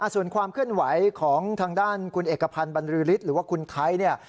ส่วนความเคลื่อนไหวของทางด้านคุณเอกพันธ์บรรลือฤทธิ์หรือว่าคุณไทยเนี่ย